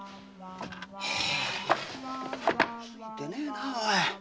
ついてねえなおい。